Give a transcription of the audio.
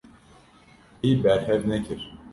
Wî berhev nekir.